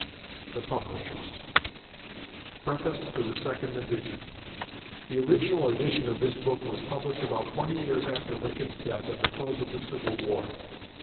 THE PUBLISHERS PREFACE TO THE SECOND EDITION The original edition of this book was published about twenty years after Lincoln's death at the close of the Civil War.